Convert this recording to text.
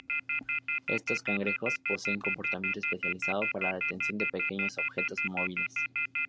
Estos cangrejos poseen comportamiento especializado para la detección de pequeños objetos móviles.